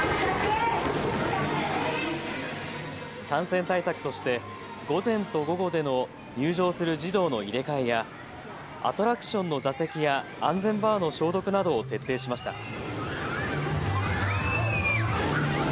感染対策として午前と午後での入場する児童の入れ替えやアトラクションの座席や安全バーの消毒などを徹底しました。